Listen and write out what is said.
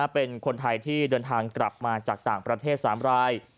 เป็นคนไทยที่เดินทางกลับมาจากต่างประเทศ๓ราย